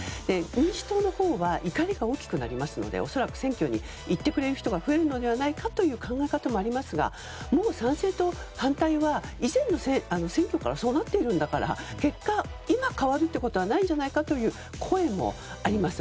民主党のほうは怒りが大きくなりますので恐らく選挙に行ってくれる人が増えるのではないかという考え方もありますがもう賛成と反対は以前の選挙からそうなっているんだから結果、今変わるということはないんじゃないかという声もあります。